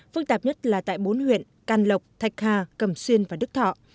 phức tạp nhất là tại bốn huyện can lộc thạch hà cầm xuyên và đức thọ